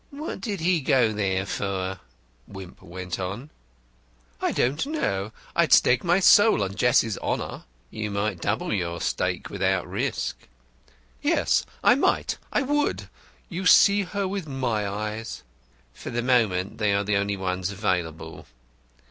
"What did he go there for?" Wimp went on. "I don't know. I'd stake my soul on Jessie's honour." "You might double your stake without risk." "Yes, I might! I would! You see her with my eyes." "For the moment they are the only ones available.